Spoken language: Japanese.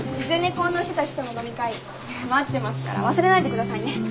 ゼネコンの人たちとの飲み会待ってますから忘れないでくださいね。